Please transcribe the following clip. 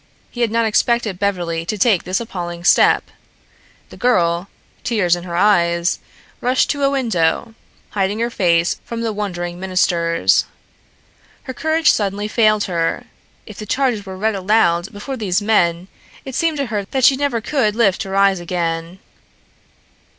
He had not expected Beverly to take this appalling step. The girl, tears in her eyes, rushed to a window, hiding her face from the wondering ministers. Her courage suddenly failed her. If the charges were read aloud before these men it seemed to her that she never could lift her eyes again.